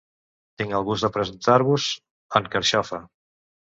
Tinc el gust de presentar-vos en Carxofa.